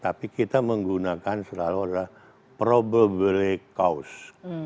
tapi kita menggunakan selalu adalah probable cause